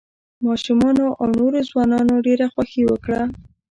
ماشومانو او نوو ځوانانو ډېره خوښي وکړه.